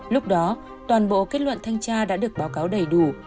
lúc đó toàn bộ kết luận thanh tra đã được báo cáo đầy đủ